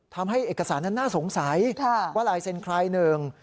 ทำให้เอกสารนั้นน่าสงสัยว่าลายเซ็นต์ใครหนึ่ง